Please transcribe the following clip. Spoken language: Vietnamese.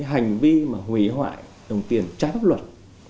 hành vi mà hủy hoại đồng tiền trái pháp luật